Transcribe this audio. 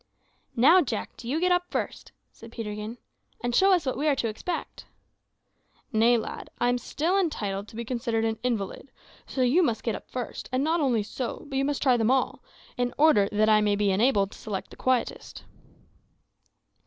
"Now, Jack, do you get up first," said Peterkin, "and show us what we are to expect." "Nay, lad; I am still entitled to be considered an invalid: so you must get up first, and not only so, but you must try them all, in order that I may be enabled to select the quietest."